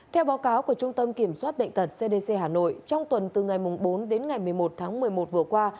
theo báo cáo của trung tâm kiểm soát bệnh tật cdc hà nội trong tuần từ ngày bốn đến ngày một mươi một tháng một mươi một vừa qua